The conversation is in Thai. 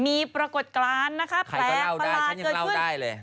มีปรากฏกรานนะคะแพรกฝรานเกินขึ้น